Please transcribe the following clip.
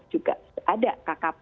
juga ada kkp